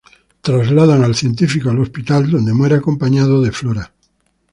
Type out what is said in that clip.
El científico es trasladado al hospital, donde muere acompañado de Flora.